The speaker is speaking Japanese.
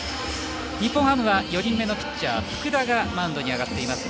日本ハムは４人目のピッチャー福田がマウンドに上がりました。